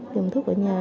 dùng thuốc ở nhà